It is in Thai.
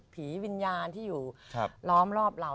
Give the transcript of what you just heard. ผีวิญญาณที่อยู่ล้อมรอบเรา